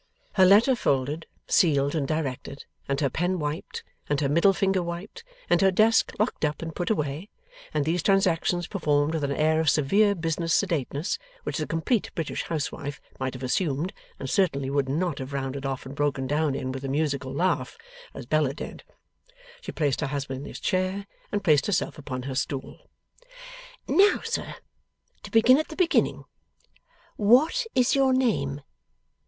Her letter folded, sealed, and directed, and her pen wiped, and her middle finger wiped, and her desk locked up and put away, and these transactions performed with an air of severe business sedateness, which the Complete British Housewife might have assumed, and certainly would not have rounded off and broken down in with a musical laugh, as Bella did: she placed her husband in his chair, and placed herself upon her stool. 'Now, sir! To begin at the beginning. What is your name?